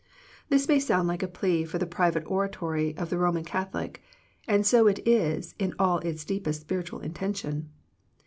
This may sound like a plea for the private oratory of the Eoman Catholic, and so it is in all its deepest spiritual intention.